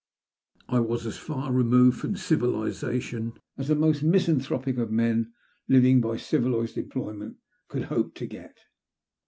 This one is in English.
I was as far removed from civilization as the most misanthropic of men, living by civilized employment, could hope to get.